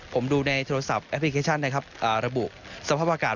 ผมดูในโทรศัพท์แอพพลิเคชันระบุสภาพากาศ